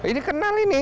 ini kenal ini